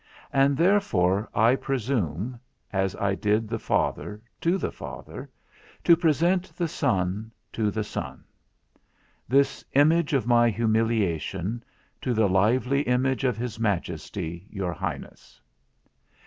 And therefore, I presume (as I did the father, to the Father) to present the son to the Son; this image of my humiliation, to the lively image of his Majesty, your Highness.